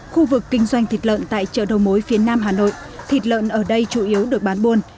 khu vực kinh doanh thịt lợn tại chợ đầu mối phía nam hà nội thịt lợn ở đây chủ yếu được bán buôn